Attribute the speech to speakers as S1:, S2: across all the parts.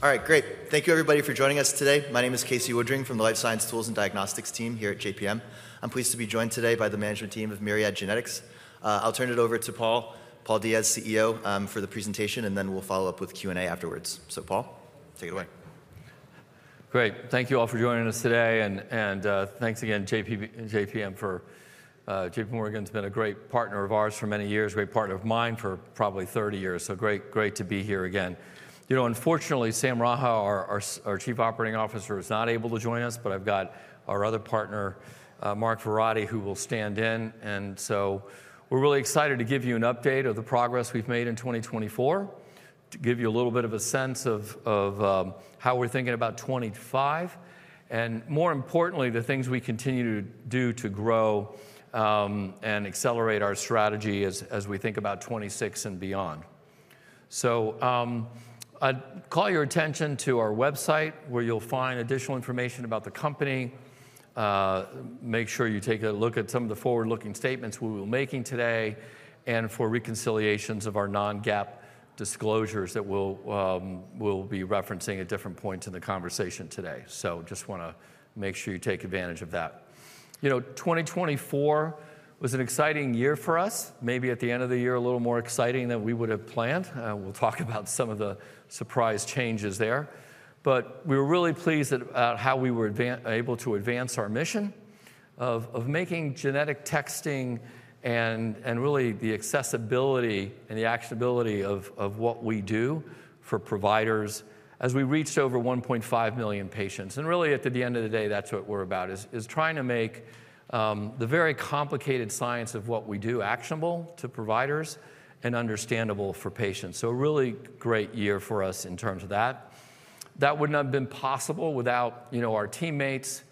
S1: All right, great. Thank you, everybody, for joining us today. My name is Casey Woodring from the Life Science Tools and Diagnostics team here at JPM. I'm pleased to be joined today by the management team of Myriad Genetics. I'll turn it over to Paul Diaz, CEO, for the presentation, and then we'll follow up with Q&A afterwards. So, Paul, take it away.
S2: Great. Thank you all for joining us today. Thanks again, JPM, for JPMorgan's been a great partner of ours for many years, a great partner of mine for probably 30 years. Great to be here again. You know, unfortunately, Sam Raha, our Chief Operating Officer, is not able to join us, but I've got our other partner, Mark Verratti, who will stand in. We're really excited to give you an update of the progress we've made in 2024, to give you a little bit of a sense of how we're thinking about 2025, and more importantly, the things we continue to do to grow and accelerate our strategy as we think about 2026 and beyond. I'd call your attention to our website, where you'll find additional information about the company. Make sure you take a look at some of the forward-looking statements we'll be making today and for reconciliations of our non-GAAP disclosures that we'll be referencing at different points in the conversation today so just want to make sure you take advantage of that. You know, 2024 was an exciting year for us, maybe at the end of the year, a little more exciting than we would have planned. We'll talk about some of the surprise changes there but we were really pleased at how we were able to advance our mission of making genetic testing and really the accessibility and the actionability of what we do for providers as we reached over 1.5 million patients and really, at the end of the day, that's what we're about, is trying to make the very complicated science of what we do actionable to providers and understandable for patients. So a really great year for us in terms of that. That wouldn't have been possible without our teammates,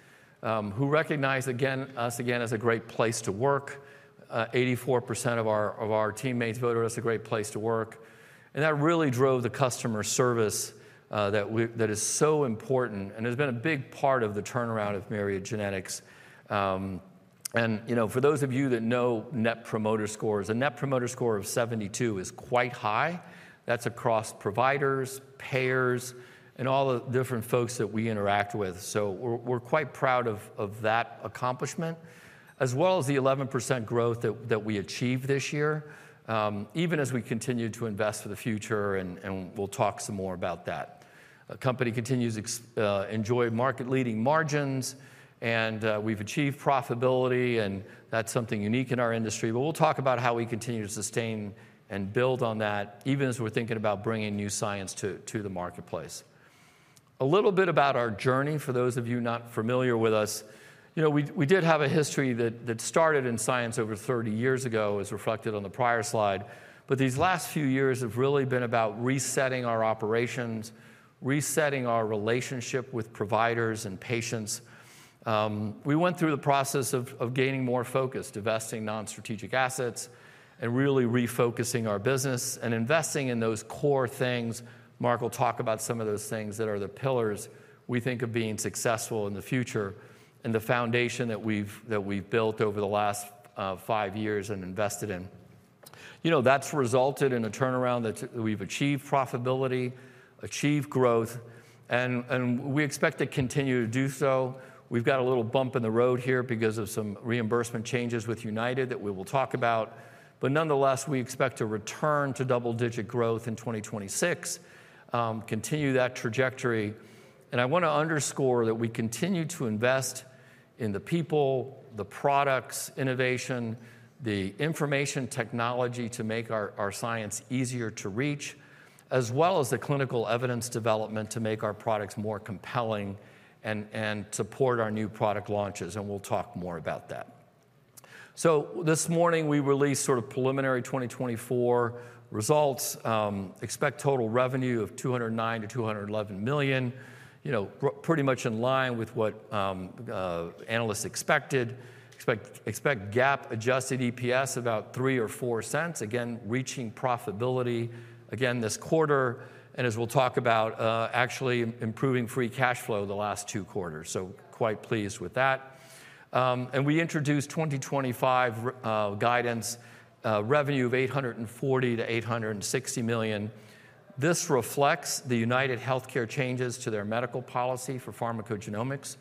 S2: who recognize us again as a great place to work. 84% of our teammates voted us a great place to work. And that really drove the customer service that is so important and has been a big part of the turnaround of Myriad Genetics. And for those of you that know Net Promoter Scores, a Net Promoter Score of 72 is quite high. That's across providers, payers, and all the different folks that we interact with. So we're quite proud of that accomplishment, as well as the 11% growth that we achieved this year, even as we continue to invest for the future. And we'll talk some more about that. The company continues to enjoy market-leading margins, and we've achieved profitability, and that's something unique in our industry. But we'll talk about how we continue to sustain and build on that, even as we're thinking about bringing new science to the marketplace. A little bit about our journey, for those of you not familiar with us, we did have a history that started in science over 30 years ago, as reflected on the prior slide. But these last few years have really been about resetting our operations, resetting our relationship with providers and patients. We went through the process of gaining more focus, divesting non-strategic assets, and really refocusing our business and investing in those core things. Mark will talk about some of those things that are the pillars we think of being successful in the future and the foundation that we've built over the last five years and invested in. You know, that's resulted in a turnaround that we've achieved profitability, achieved growth, and we expect to continue to do so. We've got a little bump in the road here because of some reimbursement changes with United that we will talk about. But nonetheless, we expect to return to double-digit growth in 2026, continue that trajectory. And I want to underscore that we continue to invest in the people, the products, innovation, the information technology to make our science easier to reach, as well as the clinical evidence development to make our products more compelling and support our new product launches. And we'll talk more about that. So this morning, we released sort of preliminary 2024 results. Expect total revenue of $209 million-$211 million, pretty much in line with what analysts expected. Expect GAAP adjusted EPS about $0.03 or $0.04, again, reaching profitability again this quarter. As we'll talk about, actually improving free cash flow the last two quarters. Quite pleased with that. We introduced 2025 guidance revenue of $840 million-$860 million. This reflects the UnitedHealthcare changes to their medical policy for pharmacogenomics,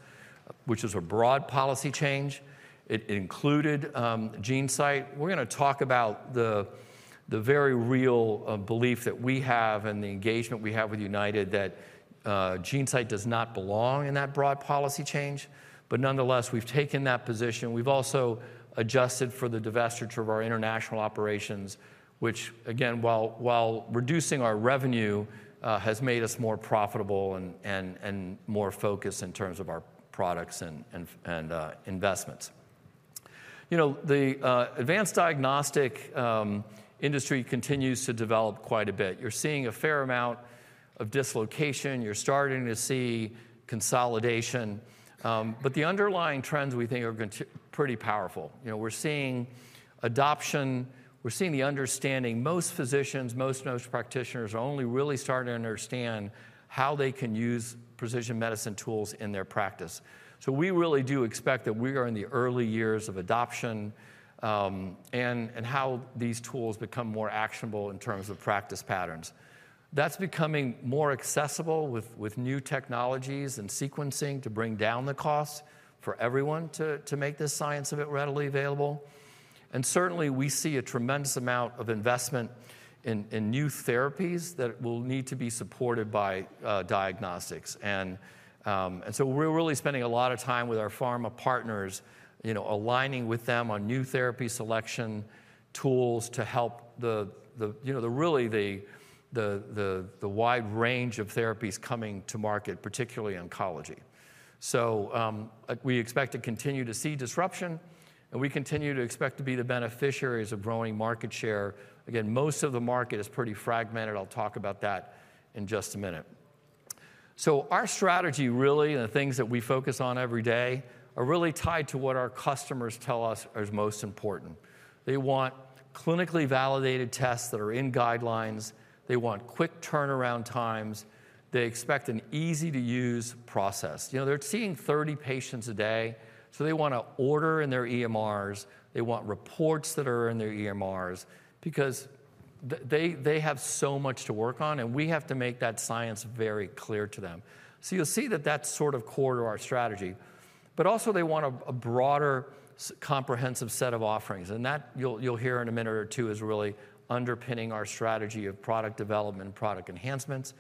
S2: which is a broad policy change. It included GeneSight. We're going to talk about the very real belief that we have and the engagement we have with UnitedHealthcare that GeneSight does not belong in that broad policy change. Nonetheless, we've taken that position. We've also adjusted for the divestiture of our international operations, which, again, while reducing our revenue, has made us more profitable and more focused in terms of our products and investments. You know, the advanced diagnostic industry continues to develop quite a bit. You're seeing a fair amount of dislocation. You're starting to see consolidation. The underlying trends we think are pretty powerful. We're seeing adoption. We're seeing the understanding most physicians, most nurse practitioners are only really starting to understand how they can use precision medicine tools in their practice. So we really do expect that we are in the early years of adoption and how these tools become more actionable in terms of practice patterns. That's becoming more accessible with new technologies and sequencing to bring down the cost for everyone to make this science a bit readily available. And certainly, we see a tremendous amount of investment in new therapies that will need to be supported by diagnostics. And so we're really spending a lot of time with our pharma partners, aligning with them on new therapy selection tools to help the really wide range of therapies coming to market, particularly oncology. So we expect to continue to see disruption, and we continue to expect to be the beneficiaries of growing market share. Again, most of the market is pretty fragmented. I'll talk about that in just a minute. So our strategy really, and the things that we focus on every day, are really tied to what our customers tell us is most important. They want clinically validated tests that are in guidelines. They want quick turnaround times. They expect an easy-to-use process. They're seeing 30 patients a day, so they want to order in their EMRs. They want reports that are in their EMRs because they have so much to work on, and we have to make that science very clear to them. So you'll see that that's sort of core to our strategy. But also, they want a broader, comprehensive set of offerings. And that you'll hear in a minute or two is really underpinning our strategy of product development and product enhancements.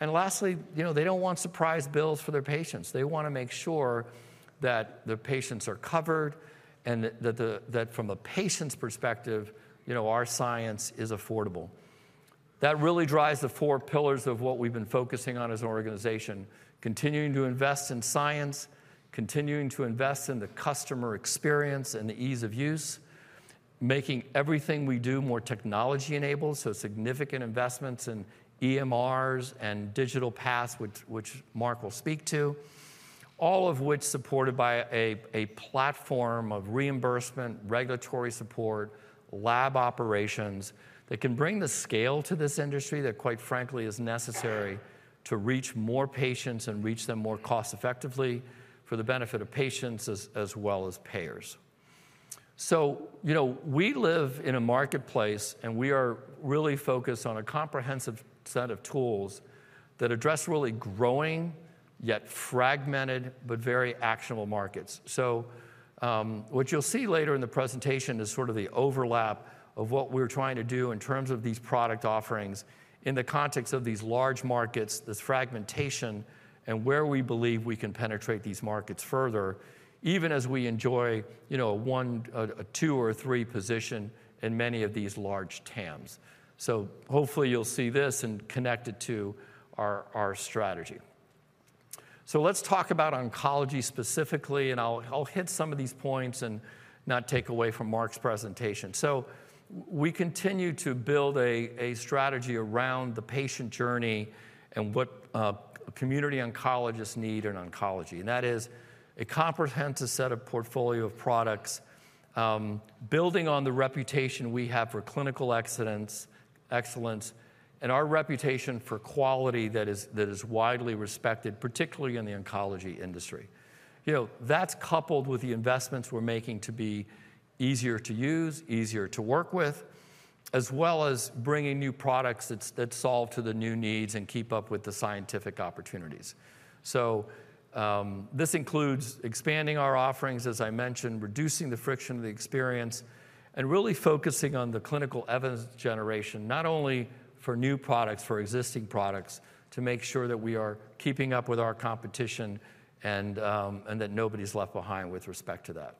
S2: And lastly, they don't want surprise bills for their patients. They want to make sure that their patients are covered and that from a patient's perspective, our science is affordable. That really drives the four pillars of what we've been focusing on as an organization: continuing to invest in science, continuing to invest in the customer experience and the ease of use, making everything we do more technology-enabled. So significant investments in EMRs and digital paths, which Mark will speak to, all of which are supported by a platform of reimbursement, regulatory support, lab operations that can bring the scale to this industry that, quite frankly, is necessary to reach more patients and reach them more cost-effectively for the benefit of patients as well as payers. So we live in a marketplace, and we are really focused on a comprehensive set of tools that address really growing, yet fragmented, but very actionable markets. So what you'll see later in the presentation is sort of the overlap of what we're trying to do in terms of these product offerings in the context of these large markets, this fragmentation, and where we believe we can penetrate these markets further, even as we enjoy a two or three position in many of these large TAMs. So hopefully, you'll see this and connect it to our strategy. So let's talk about oncology specifically, and I'll hit some of these points and not take away from Mark's presentation. So we continue to build a strategy around the patient journey and what community oncologists need in oncology. That is a comprehensive set of portfolio of products, building on the reputation we have for clinical excellence and our reputation for quality that is widely respected, particularly in the oncology industry. That's coupled with the investments we're making to be easier to use, easier to work with, as well as bringing new products that solve to the new needs and keep up with the scientific opportunities. This includes expanding our offerings, as I mentioned, reducing the friction of the experience, and really focusing on the clinical evidence generation, not only for new products, for existing products, to make sure that we are keeping up with our competition and that nobody's left behind with respect to that.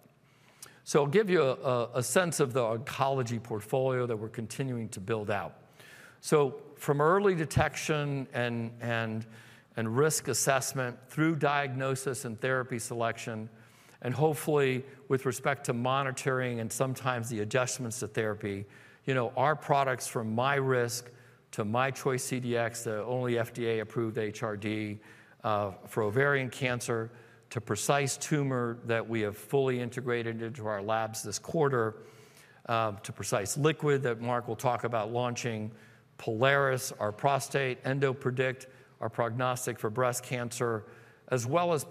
S2: I'll give you a sense of the oncology portfolio that we're continuing to build out. From early detection and risk assessment through diagnosis and therapy selection, and hopefully with respect to monitoring and sometimes the adjustments to therapy, our products from MyRisk to myChoice CDx, the only FDA-approved HRD for ovarian cancer, to Precise Tumor that we have fully integrated into our labs this quarter, to Precise Liquid that Mark will talk about launching, Prolaris, our prostate, EndoPredict, our prognostic for breast cancer, as well as,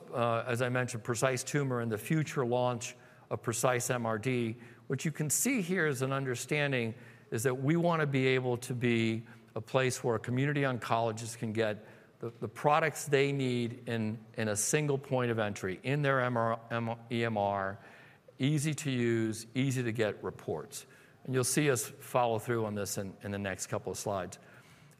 S2: as I mentioned, Precise Tumor and the future launch of Precise MRD, which you can see here as an understanding is that we want to be able to be a place where community oncologists can get the products they need in a single point of entry in their EMR, easy to use, easy to get reports. And you'll see us follow through on this in the next couple of slides.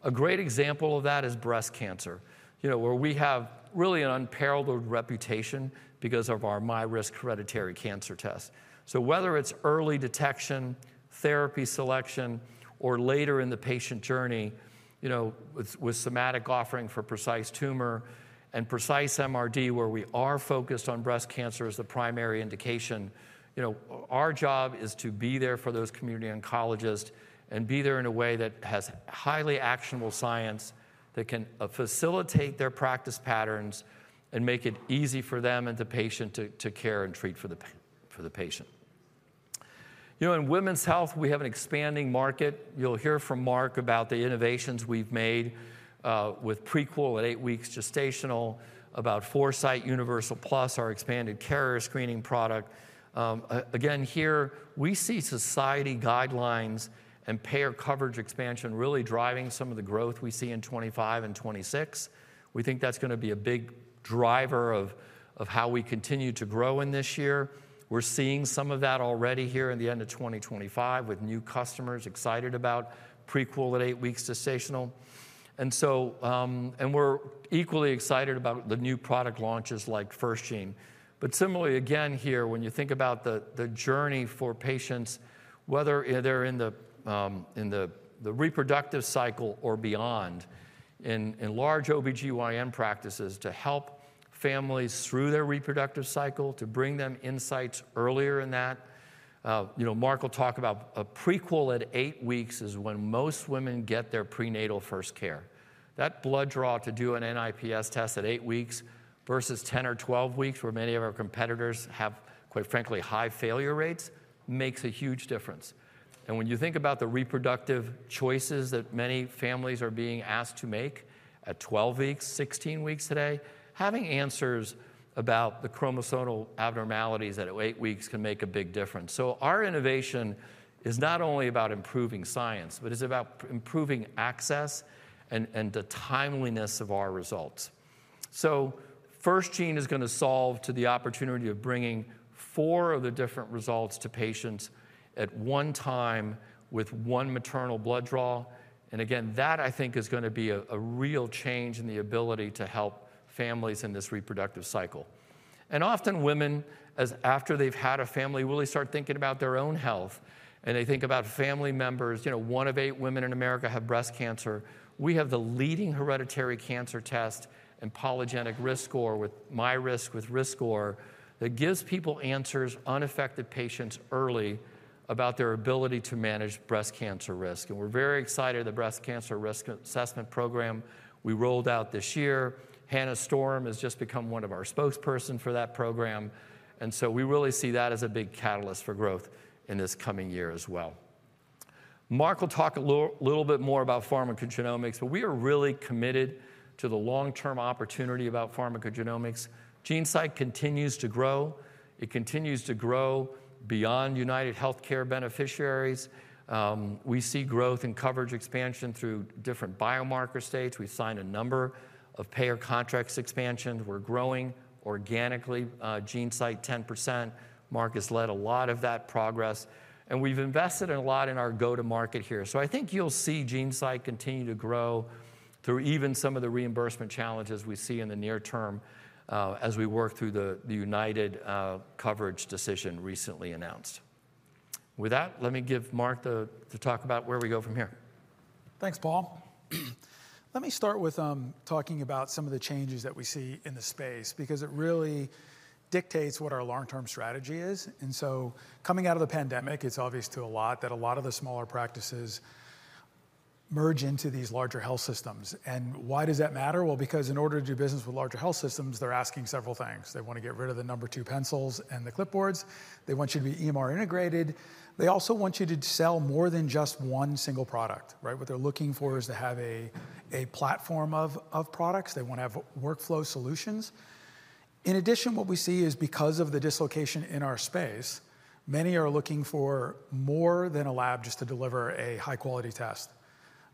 S2: A great example of that is breast cancer, where we have really an unparalleled reputation because of our MyRisk hereditary cancer test. So whether it's early detection, therapy selection, or later in the patient journey with somatic offering for Precise Tumor and Precise MRD, where we are focused on breast cancer as the primary indication, our job is to be there for those community oncologists and be there in a way that has highly actionable science that can facilitate their practice patterns and make it easy for them and the patient to care and treat for the patient. In women's health, we have an expanding market. You'll hear from Mark about the innovations we've made with Prequel at eight weeks gestational, about Foresight Universal Plus, our expanded carrier screening product. Again, here we see society guidelines and payer coverage expansion really driving some of the growth we see in 2025 and 2026. We think that's going to be a big driver of how we continue to grow in this year. We're seeing some of that already here in the end of 2025 with new customers excited about Prequel at eight weeks gestational. And we're equally excited about the new product launches like FirstGene. But similarly, again, here, when you think about the journey for patients, whether they're in the reproductive cycle or beyond, in large OB-GYN practices to help families through their reproductive cycle, to bring them insights earlier in that. Mark will talk about Prequel at eight weeks is when most women get their prenatal first care. That blood draw to do an NIPS test at eight weeks versus 10 or 12 weeks, where many of our competitors have, quite frankly, high failure rates, makes a huge difference. And when you think about the reproductive choices that many families are being asked to make at 12 weeks, 16 weeks today, having answers about the chromosomal abnormalities at eight weeks can make a big difference. So our innovation is not only about improving science, but it's about improving access and the timeliness of our results. So FirstGene is going to solve to the opportunity of bringing four of the different results to patients at one time with one maternal blood draw. And again, that, I think, is going to be a real change in the ability to help families in this reproductive cycle. And often, women, after they've had a family, really start thinking about their own health. They think about family members. One of eight women in America have breast cancer. We have the leading hereditary cancer test and polygenic RiskScore with MyRisk with RiskScore that gives people answers, unaffected patients early, about their ability to manage breast cancer risk. We're very excited at the Breast Cancer Risk Assessment Program we rolled out this year. Hannah Storm has just become one of our spokespersons for that program. So we really see that as a big catalyst for growth in this coming year as well. Mark will talk a little bit more about pharmacogenomics, but we are really committed to the long-term opportunity about pharmacogenomics. GeneSight continues to grow. It continues to grow beyond UnitedHealthcare beneficiaries. We see growth in coverage expansion through different biomarker states. We've signed a number of payer contracts expansions. We're growing organically. GeneSight 10%. Mark has led a lot of that progress. And we've invested a lot in our go-to-market here. So I think you'll see GeneSight continue to grow through even some of the reimbursement challenges we see in the near term as we work through the United coverage decision recently announced. With that, let me give Mark to talk about where we go from here.
S3: Thanks, Paul. Let me start with talking about some of the changes that we see in the space because it really dictates what our long-term strategy is, and so coming out of the pandemic, it's obvious to a lot that a lot of the smaller practices merge into these larger health systems, and why does that matter, well, because in order to do business with larger health systems, they're asking several things. They want to get rid of the number two pencils and the clipboards. They want you to be EMR integrated. They also want you to sell more than just one single product. What they're looking for is to have a platform of products. They want to have workflow solutions. In addition, what we see is because of the dislocation in our space, many are looking for more than a lab just to deliver a high-quality test.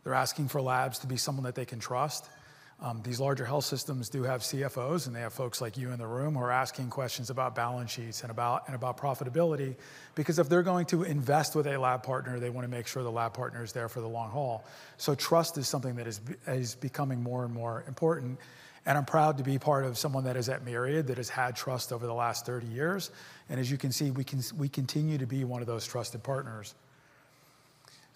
S3: They're asking for labs to be someone that they can trust. These larger health systems do have CFOs, and they have folks like you in the room who are asking questions about balance sheets and about profitability because if they're going to invest with a lab partner, they want to make sure the lab partner is there for the long haul. So trust is something that is becoming more and more important. And I'm proud to be part of someone that is at Myriad that has had trust over the last 30 years. And as you can see, we continue to be one of those trusted partners.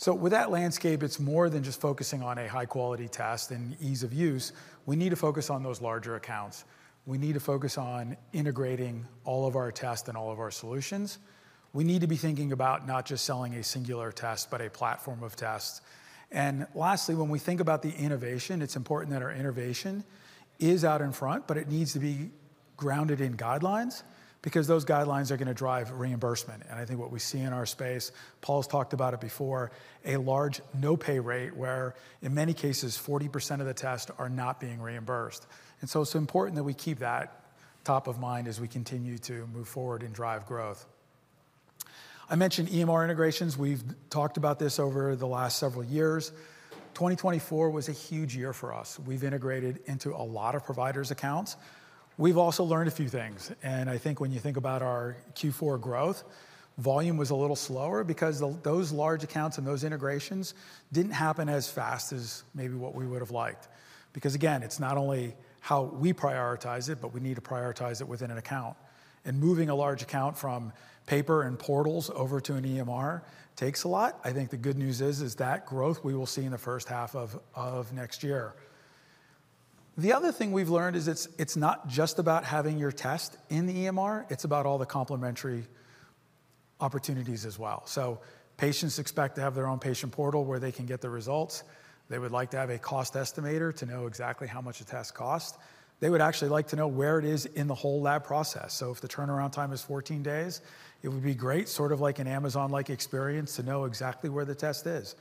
S3: So with that landscape, it's more than just focusing on a high-quality test and ease of use. We need to focus on those larger accounts. We need to focus on integrating all of our tests and all of our solutions. We need to be thinking about not just selling a singular test, but a platform of tests. And lastly, when we think about the innovation, it's important that our innovation is out in front, but it needs to be grounded in guidelines because those guidelines are going to drive reimbursement. And I think what we see in our space, Paul's talked about it before, a large no-pay rate where, in many cases, 40% of the tests are not being reimbursed. And so it's important that we keep that top of mind as we continue to move forward and drive growth. I mentioned EMR integrations. We've talked about this over the last several years. 2024 was a huge year for us. We've integrated into a lot of providers' accounts. We've also learned a few things. I think when you think about our Q4 growth, volume was a little slower because those large accounts and those integrations didn't happen as fast as maybe what we would have liked. Because again, it's not only how we prioritize it, but we need to prioritize it within an account. Moving a large account from paper and portals over to an EMR takes a lot. I think the good news is that growth we will see in the first half of next year. The other thing we've learned is it's not just about having your test in the EMR. It's about all the complementary opportunities as well. Patients expect to have their own patient portal where they can get the results. They would like to have a cost estimator to know exactly how much a test costs. They would actually like to know where it is in the whole lab process. So if the turnaround time is 14 days, it would be great, sort of like an Amazon-like experience to know exactly where the test is.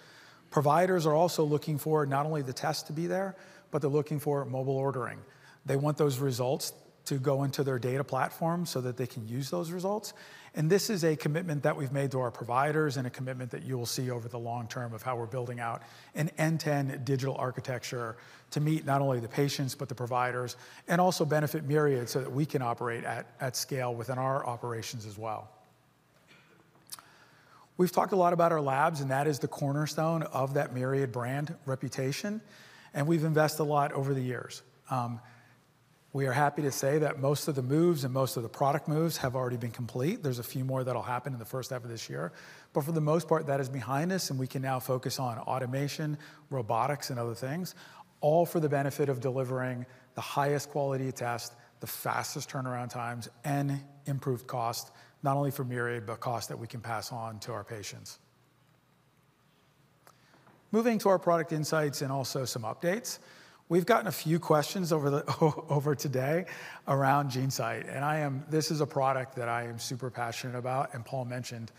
S3: Providers are also looking for not only the test to be there, but they're looking for mobile ordering. They want those results to go into their data platform so that they can use those results. And this is a commitment that we've made to our providers and a commitment that you will see over the long term of how we're building out an end-to-end digital architecture to meet not only the patients, but the providers and also benefit Myriad so that we can operate at scale within our operations as well. We've talked a lot about our labs, and that is the cornerstone of that Myriad brand reputation. We've invested a lot over the years. We are happy to say that most of the moves and most of the product moves have already been complete. There's a few more that'll happen in the first half of this year. But for the most part, that is behind us, and we can now focus on automation, robotics, and other things, all for the benefit of delivering the highest quality test, the fastest turnaround times, and improved cost, not only for Myriad, but cost that we can pass on to our patients. Moving to our product insights and also some updates. We've gotten a few questions over today around GeneSight. This is a product that I am super passionate about, and Paul mentioned.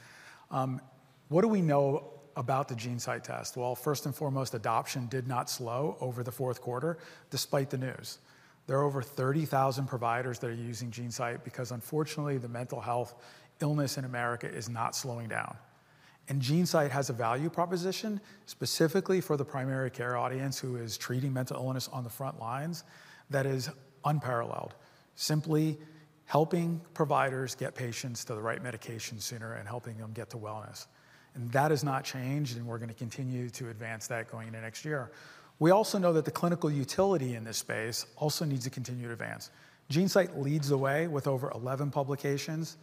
S3: What do we know about the GeneSight test? First and foremost, adoption did not slow over the fourth quarter despite the news. There are over 30,000 providers that are using GeneSight because, unfortunately, the mental health illness in America is not slowing down, and GeneSight has a value proposition specifically for the primary care audience who is treating mental illness on the front lines that is unparalleled, simply helping providers get patients to the right medication sooner and helping them get to wellness, and that has not changed, and we're going to continue to advance that going into next year. We also know that the clinical utility in this space also needs to continue to advance. GeneSight leads the way with over 11 publications,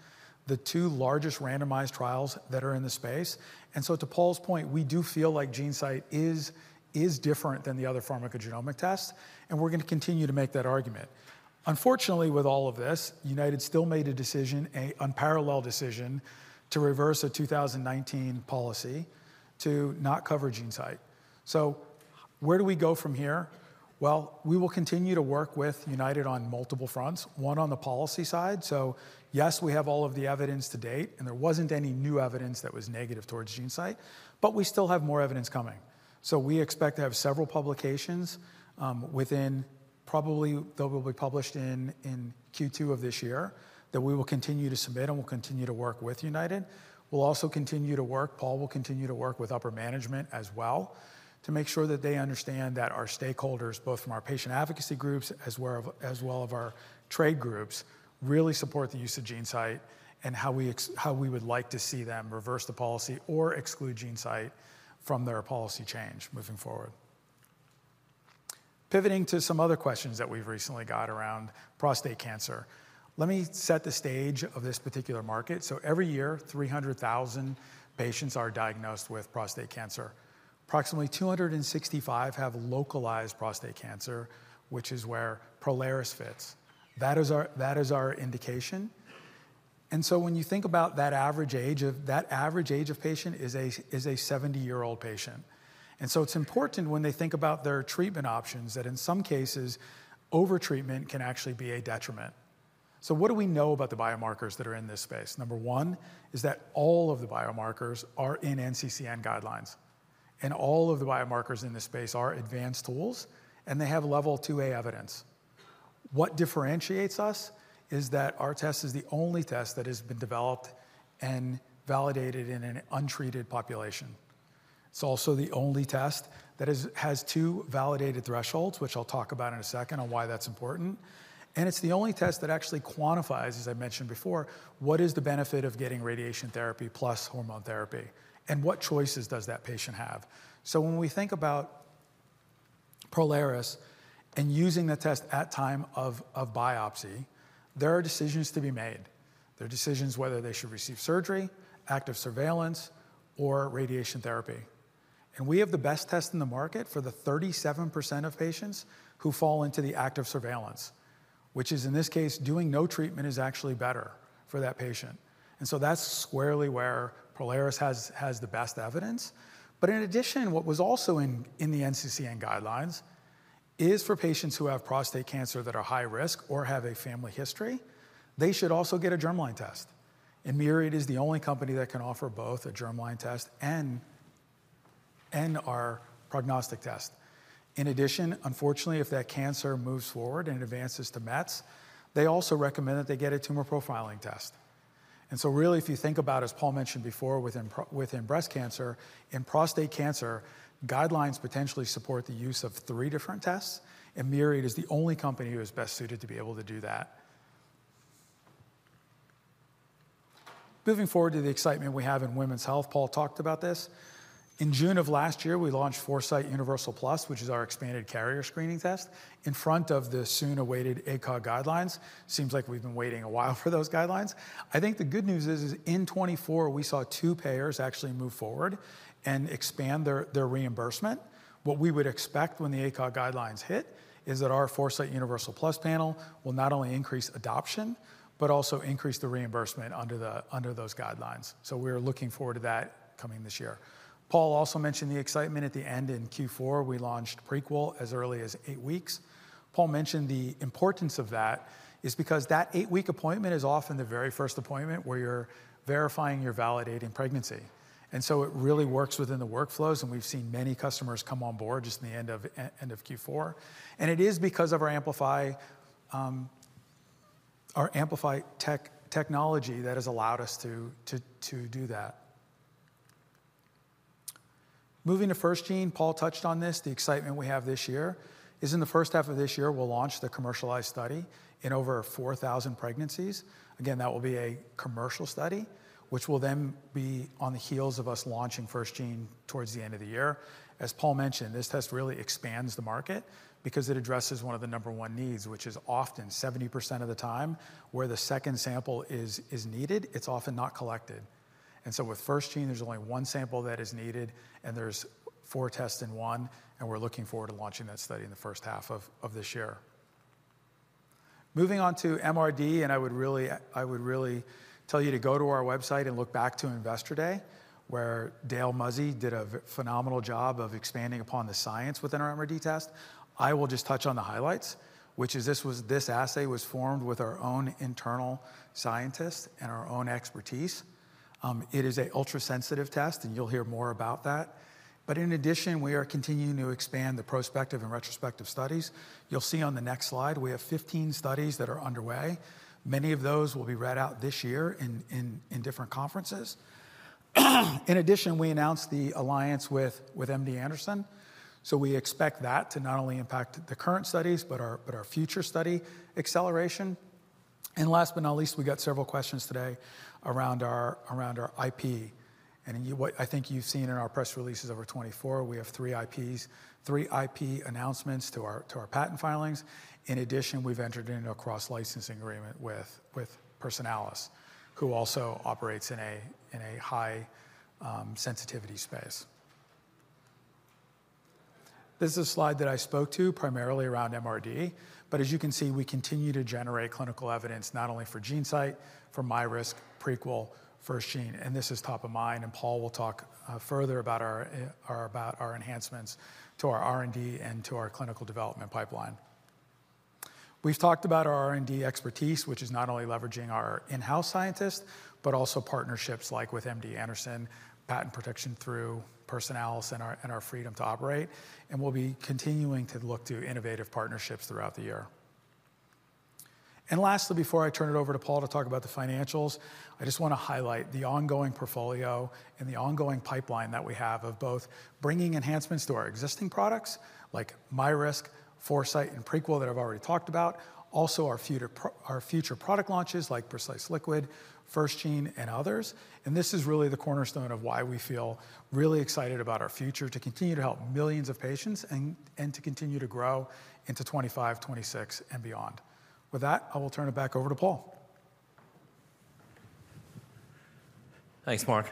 S3: the two largest randomized trials that are in the space, and so to Paul's point, we do feel like GeneSight is different than the other pharmacogenomic tests, and we're going to continue to make that argument. Unfortunately, with all of this, United still made a decision, an unparalleled decision, to reverse a 2019 policy to not cover GeneSight. So where do we go from here? Well, we will continue to work with United on multiple fronts, one on the policy side. So yes, we have all of the evidence to date, and there wasn't any new evidence that was negative towards GeneSight, but we still have more evidence coming. So we expect to have several publications within probably they'll be published in Q2 of this year that we will continue to submit and will continue to work with United. We'll also continue to work. Paul will continue to work with upper management as well to make sure that they understand that our stakeholders, both from our patient advocacy groups as well as our trade groups, really support the use of GeneSight and how we would like to see them reverse the policy or exclude GeneSight from their policy change moving forward. Pivoting to some other questions that we've recently got around prostate cancer. Let me set the stage of this particular market. So every year, 300,000 patients are diagnosed with prostate cancer. Approximately 265,000 have localized prostate cancer, which is where Prolaris fits. That is our indication. And so when you think about that average age, that average age of patient is a 70-year-old patient. And so it's important when they think about their treatment options that in some cases, overtreatment can actually be a detriment. What do we know about the biomarkers that are in this space? Number one is that all of the biomarkers are in NCCN guidelines. All of the biomarkers in this space are advanced tools, and they have level 2A evidence. What differentiates us is that our test is the only test that has been developed and validated in an untreated population. It's also the only test that has two validated thresholds, which I'll talk about in a second on why that's important. It's the only test that actually quantifies, as I mentioned before, what is the benefit of getting radiation therapy plus hormone therapy and what choices does that patient have. When we think about Prolaris and using the test at time of biopsy, there are decisions to be made. There are decisions whether they should receive surgery, active surveillance, or radiation therapy. We have the best test in the market for the 37% of patients who fall into the active surveillance, which is in this case, doing no treatment is actually better for that patient. And so that's squarely where Prolaris has the best evidence. But in addition, what was also in the NCCN guidelines is for patients who have prostate cancer that are high risk or have a family history, they should also get a germline test. And Myriad is the only company that can offer both a germline test and our prognostic test. In addition, unfortunately, if that cancer moves forward and advances to mets, they also recommend that they get a tumor profiling test. And so really, if you think about, as Paul mentioned before, within breast cancer, in prostate cancer, guidelines potentially support the use of three different tests. Myriad is the only company who is best suited to be able to do that. Moving forward to the excitement we have in women's health, Paul talked about this. In June of last year, we launched Foresight Universal Plus, which is our expanded carrier screening test in front of the soon-awaited ACOG guidelines. Seems like we've been waiting a while for those guidelines. I think the good news is in 2024, we saw two payers actually move forward and expand their reimbursement. What we would expect when the ACOG guidelines hit is that our Foresight Universal Plus panel will not only increase adoption, but also increase the reimbursement under those guidelines. We're looking forward to that coming this year. Paul also mentioned the excitement at the end in Q4. We launched Prequel as early as eight weeks. Paul mentioned the importance of that. That is because that eight-week appointment is often the very first appointment where you're verifying you're validating pregnancy. And so it really works within the workflows, and we've seen many customers come on board just in the end of Q4. And it is because of our Amplify technology that has allowed us to do that. Moving to FirstGene, Paul touched on this. The excitement we have this year is in the first half of this year. We'll launch the commercialized study in over 4,000 pregnancies. Again, that will be a commercial study, which will then be on the heels of us launching FirstGene towards the end of the year. As Paul mentioned, this test really expands the market because it addresses one of the number one needs, which is often 70% of the time where the second sample is needed. It's often not collected. With FirstGene, there's only one sample that is needed, and there's four tests in one, and we're looking forward to launching that study in the first half of this year. Moving on to MRD, and I would really tell you to go to our website and look back to Investor Day, where Dale Muzzey did a phenomenal job of expanding upon the science within our MRD test. I will just touch on the highlights, which is this assay was formed with our own internal scientists and our own expertise. It is an ultrasensitive test, and you'll hear more about that. But in addition, we are continuing to expand the prospective and retrospective studies. You'll see on the next slide, we have 15 studies that are underway. Many of those will be read out this year in different conferences. In addition, we announced the alliance with MD Anderson. So we expect that to not only impact the current studies, but our future study acceleration. And last but not least, we got several questions today around our IP. And I think you've seen in our press releases over 2024, we have three IP announcements to our patent filings. In addition, we've entered into a cross-licensing agreement with Personalis, who also operates in a high-sensitivity space. This is a slide that I spoke to primarily around MRD, but as you can see, we continue to generate clinical evidence not only for GeneSight, for MyRisk, Prequel, FirstGene. And this is top of mind, and Paul will talk further about our enhancements to our R&D and to our clinical development pipeline. We've talked about our R&D expertise, which is not only leveraging our in-house scientists, but also partnerships like with MD Anderson, patent protection through Personalis and our freedom to operate. We'll be continuing to look to innovative partnerships throughout the year. Lastly, before I turn it over to Paul to talk about the financials, I just want to highlight the ongoing portfolio and the ongoing pipeline that we have of both bringing enhancements to our existing products like MyRisk, Foresight, and Prequel that I've already talked about, also our future product launches like Precise Liquid, FirstGene, and others. This is really the cornerstone of why we feel really excited about our future to continue to help millions of patients and to continue to grow into 2025, 2026, and beyond.
S2: With that, I will turn it back over to Paul. Thanks, Mark.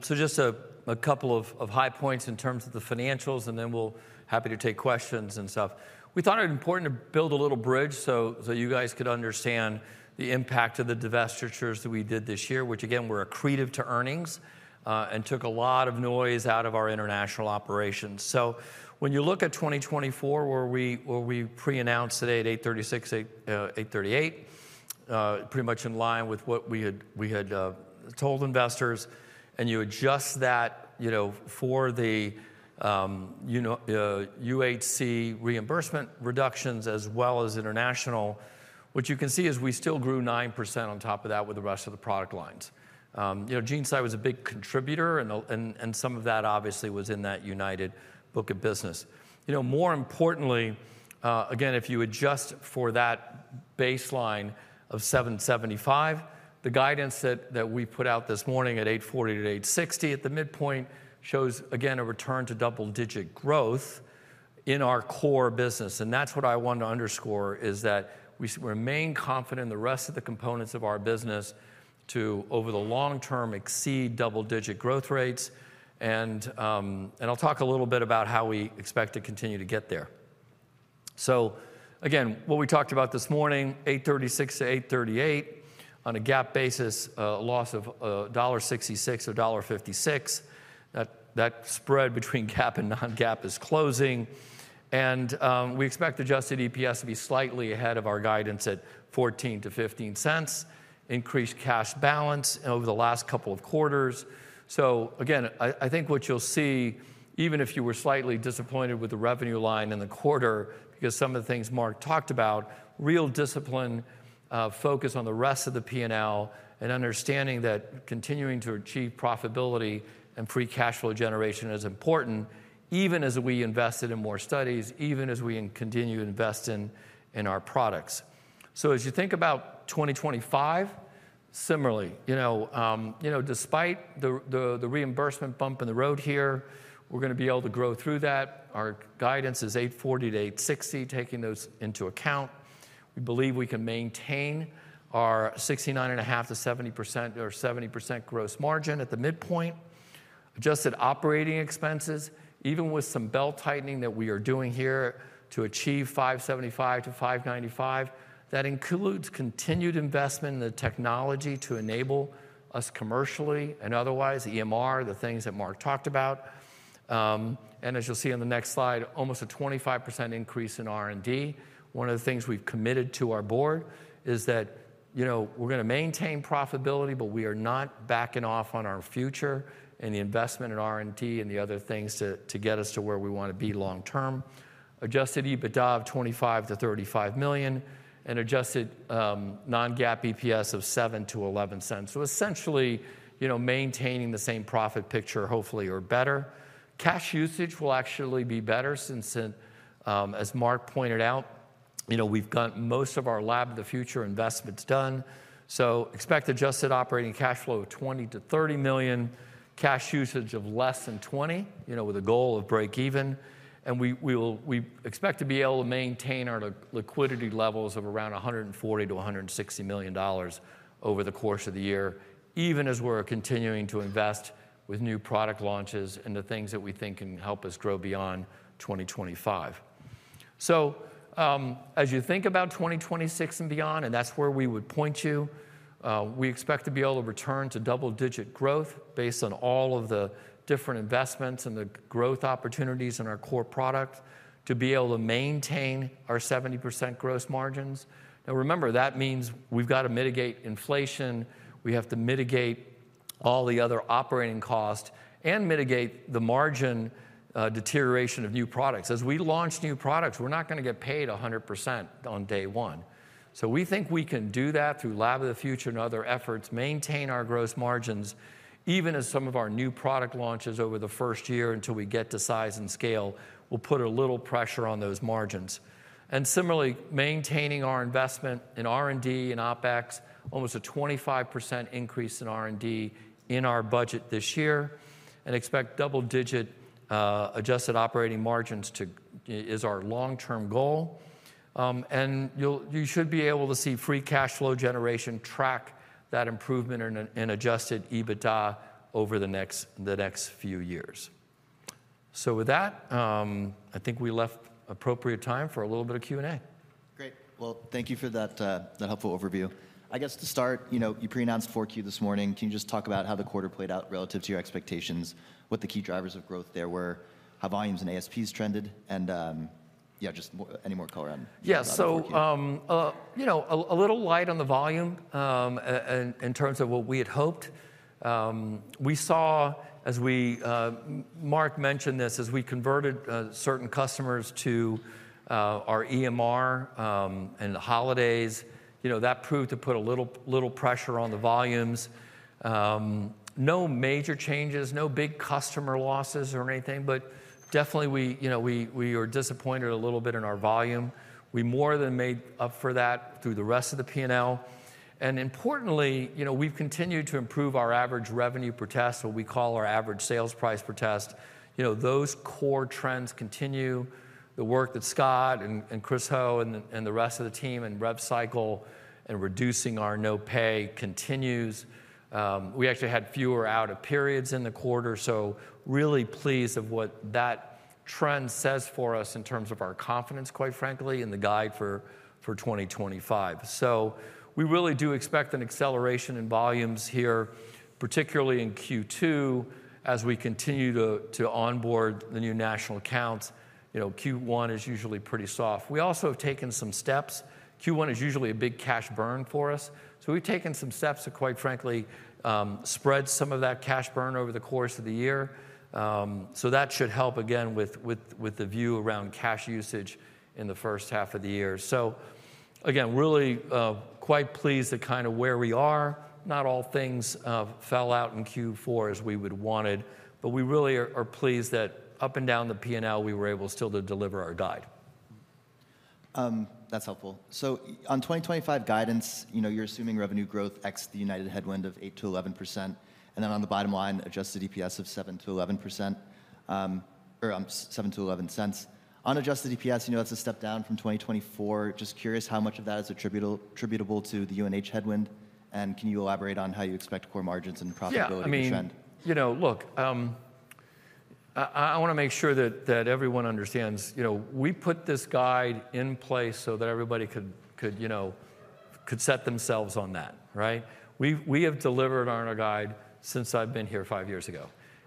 S2: Just a couple of high points in terms of the financials, and then we'll be happy to take questions and stuff. We thought it was important to build a little bridge so you guys could understand the impact of the divestitures that we did this year, which again, were accretive to earnings and took a lot of noise out of our international operations, so when you look at 2024, where we pre-announced today at 836-838, pretty much in line with what we had told investors, and you adjust that for the UHC reimbursement reductions as well as international, what you can see is we still grew 9% on top of that with the rest of the product lines. GeneSight was a big contributor, and some of that obviously was in that United book of business. More importantly, again, if you adjust for that baseline of 775, the guidance that we put out this morning at 840-860 at the midpoint shows, again, a return to double-digit growth in our core business. That's what I want to underscore is that we remain confident in the rest of the components of our business to, over the long term, exceed double-digit growth rates. I'll talk a little bit about how we expect to continue to get there. Again, what we talked about this morning, 836-838 on a GAAP basis, a loss of $1.66 or $1.56, that spread between GAAP and non-GAAP is closing. We expect adjusted EPS to be slightly ahead of our guidance at $0.14-$0.15, increased cash balance over the last couple of quarters. So again, I think what you'll see, even if you were slightly disappointed with the revenue line in the quarter, because some of the things Mark talked about, real discipline, focus on the rest of the P&L, and understanding that continuing to achieve profitability and free cash flow generation is important, even as we invested in more studies, even as we continue to invest in our products. So as you think about 2025, similarly, despite the reimbursement bump in the road here, we're going to be able to grow through that. Our guidance is $840-$860, taking those into account. We believe we can maintain our 69.5%-70% or 70% gross margin at the midpoint. Adjusted operating expenses, even with some belt tightening that we are doing here to achieve $575-$595 million, include continued investment in the technology to enable us commercially and otherwise, EMR, the things that Mark talked about, and as you'll see on the next slide, almost a 25% increase in R&D. One of the things we've committed to our board is that we're going to maintain profitability, but we are not backing off on our future and the investment in R&D and the other things to get us to where we want to be long term. Adjusted EBITDA of $25-$35 million and adjusted non-GAAP EPS of $0.07-$0.11, so essentially maintaining the same profit picture, hopefully, or better. Cash usage will actually be better since, as Mark pointed out, we've got most of our Lab of the Future investments done. Expect adjusted operating cash flow of $20 million-$30 million, cash usage of less than $20 million with a goal of breakeven. We expect to be able to maintain our liquidity levels of around $140 million-$160 million over the course of the year, even as we're continuing to invest with new product launches and the things that we think can help us grow beyond 2025. As you think about 2026 and beyond, and that's where we would point you, we expect to be able to return to double-digit growth based on all of the different investments and the growth opportunities in our core product to be able to maintain our 70% gross margins. Remember, that means we've got to mitigate inflation. We have to mitigate all the other operating costs and mitigate the margin deterioration of new products. As we launch new products, we're not going to get paid 100% on day one. So we think we can do that through Lab of the Future and other efforts, maintain our gross margins, even as some of our new product launches over the first year until we get to size and scale, we'll put a little pressure on those margins. And similarly, maintaining our investment in R&D and OpEx, almost a 25% increase in R&D in our budget this year, and expect double-digit adjusted operating margins is our long-term goal. And you should be able to see free cash flow generation track that improvement in adjusted EBITDA over the next few years. So with that, I think we left appropriate time for a little bit of Q&A.
S1: Great. Well, thank you for that helpful overview. I guess to start, you pre-announced 4Q this morning. Can you just talk about how the quarter played out relative to your expectations, what the key drivers of growth there were, how volumes and ASPs trended, and yeah, just any more color on the market?
S2: Yeah, so a little light on the volume in terms of what we had hoped. We saw, as Mark mentioned this, as we converted certain customers to our EMR and the holidays, that proved to put a little pressure on the volumes. No major changes, no big customer losses or anything, but definitely we were disappointed a little bit in our volume. We more than made up for that through the rest of the P&L, and importantly, we've continued to improve our average revenue per test, what we call our average sales price per test. Those core trends continue. The work that Scott and Chris Ho and the rest of the team and RevCycle and reducing our no pay continues. We actually had fewer out of periods in the quarter, so really pleased of what that trend says for us in terms of our confidence, quite frankly, in the guide for 2025. So we really do expect an acceleration in volumes here, particularly in Q2, as we continue to onboard the new national accounts. Q1 is usually pretty soft. We also have taken some steps. Q1 is usually a big cash burn for us. So we've taken some steps to, quite frankly, spread some of that cash burn over the course of the year. So that should help, again, with the view around cash usage in the first half of the year. So again, really quite pleased at kind of where we are. Not all things played out in Q4 as we would have wanted, but we really are pleased that up and down the P&L, we were able still to deliver our guide. That's helpful. So on 2025 guidance, you're assuming revenue growth ex the United headwind of 8%-11%, and then on the bottom line, adjusted EPS of 7%-11% or $0.07-$0.11. On adjusted EPS, that's a step down from 2024. Just curious how much of that is attributable to the UNH headwind, and can you elaborate on how you expect core margins and profitability to trend? Look, I want to make sure that everyone understands. We put this guide in place so that everybody could set themselves on that, right? We have delivered on our guide since I've been here five years ago,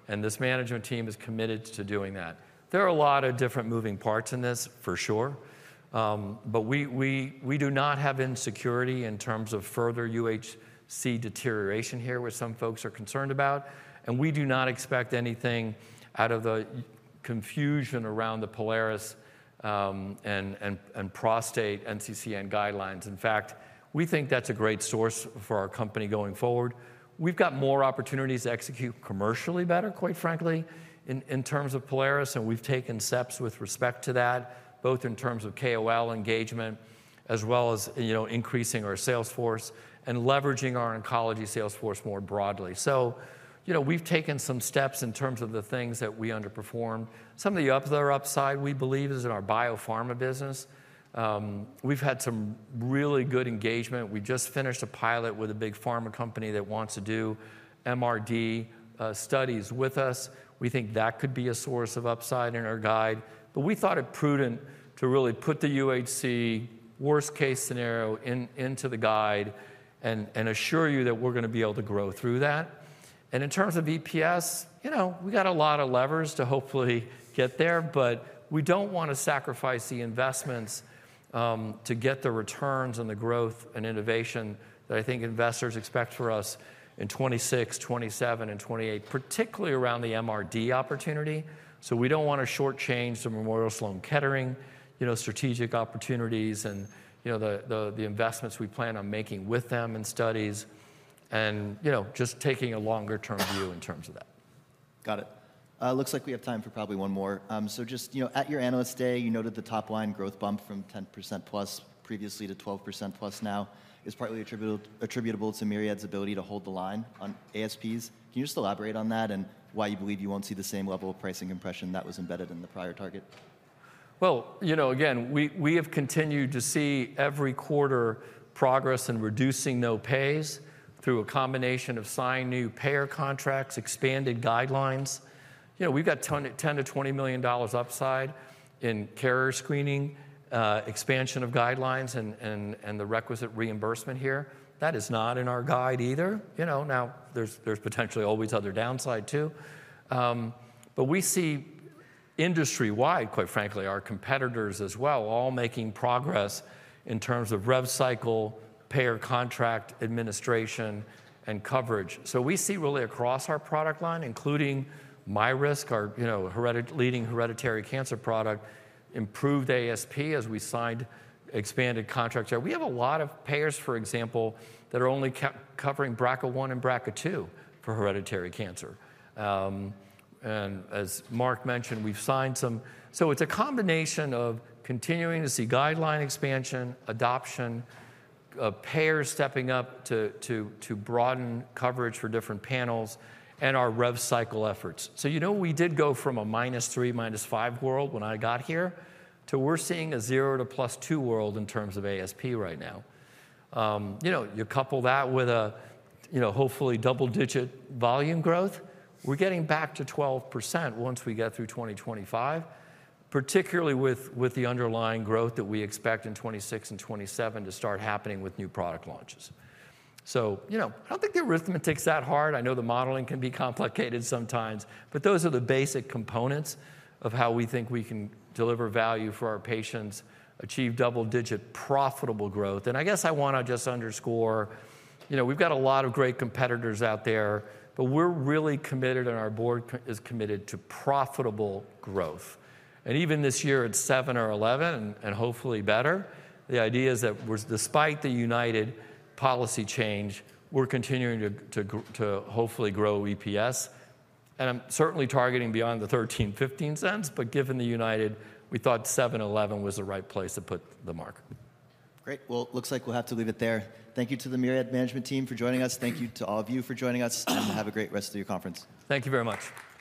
S2: and this management team is committed to doing that. There are a lot of different moving parts in this, for sure, but we do not have insecurity in terms of further UHC deterioration here, which some folks are concerned about, and we do not expect anything out of the confusion around the Prolaris and Prostate NCCN guidelines. In fact, we think that's a great source for our company going forward. We've got more opportunities to execute commercially better, quite frankly, in terms of Prolaris, and we've taken steps with respect to that, both in terms of KOL engagement as well as increasing our sales force and leveraging our oncology sales force more broadly, so we've taken some steps in terms of the things that we underperformed. Some of the other upside, we believe, is in our biopharma business. We've had some really good engagement. We just finished a pilot with a big pharma company that wants to do MRD studies with us. We think that could be a source of upside in our guide, but we thought it prudent to really put the UHC worst-case scenario into the guide and assure you that we're going to be able to grow through that. And in terms of EPS, we've got a lot of levers to hopefully get there, but we don't want to sacrifice the investments to get the returns and the growth and innovation that I think investors expect for us in 2026, 2027, and 2028, particularly around the MRD opportunity. So we don't want to shortchange the Memorial Sloan Kettering strategic opportunities and the investments we plan on making with them and studies and just taking a longer-term view in terms of that.
S1: Got it. Looks like we have time for probably one more. So just at your analyst day, you noted the top-line growth bump from 10% plus previously to 12% plus now is partly attributable to Myriad's ability to hold the line on ASPs. Can you just elaborate on that and why you believe you won't see the same level of pricing compression that was embedded in the prior target?
S2: Well, again, we have continued to see every quarter progress in reducing no pays through a combination of signed new payer contracts, expanded guidelines. We've got $10-$20 million upside in carrier screening, expansion of guidelines, and the requisite reimbursement here. That is not in our guide either. Now, there's potentially always other downside too. But we see industry-wide, quite frankly, our competitors as well, all making progress in terms of RevCycle, payer contract administration, and coverage. So we see really across our product line, including MyRisk, our leading hereditary cancer product, improved ASP as we signed expanded contracts. We have a lot of payers, for example, that are only covering BRCA1 and BRCA2 for hereditary cancer. And as Mark mentioned, we've signed some. So it's a combination of continuing to see guideline expansion, adoption, payers stepping up to broaden coverage for different panels, and our RevCycle efforts. So you know we did go from a -3 to -5 world when I got here to we're seeing a 0 to +2 world in terms of ASP right now. You couple that with a hopefully double-digit volume growth. We're getting back to 12% once we get through 2025, particularly with the underlying growth that we expect in 2026 and 2027 to start happening with new product launches. So I don't think the arithmetic's that hard. I know the modeling can be complicated sometimes, but those are the basic components of how we think we can deliver value for our patients, achieve double-digit profitable growth. And I guess I want to just underscore, we've got a lot of great competitors out there, but we're really committed, and our board is committed to profitable growth. And even this year, at $0.07 or $0.11 and hopefully better, the idea is that despite the United policy change, we're continuing to hopefully grow EPS. And I'm certainly targeting beyond the $0.13-$0.15, but given the United, we thought $0.07 and $0.11 was the right place to put the mark.
S1: Great. Well, it looks like we'll have to leave it there. Thank you to the Myriad Management Team for joining us. Thank you to all of you for joining us, and have a great rest of your conference.
S3: Thank you very much.